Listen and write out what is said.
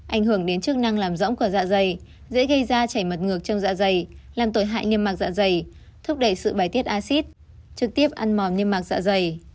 ảnh hưởng đến chức năng làm rõng của dạ dày dễ gây ra chảy mật ngược trong dạ dày làm tổn hại niêm mạc dạ dày thúc đẩy sự bài tiết acid trực tiếp ăn mòm niêm mạc dạ dày